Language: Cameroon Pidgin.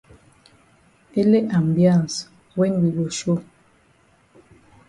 Ele ambiance wen we go show.